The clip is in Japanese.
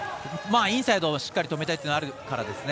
インサイドをしっかり止めたいというのがあるからですね。